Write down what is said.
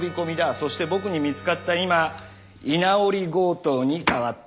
そして僕に見つかった今居直り強盗に変わった。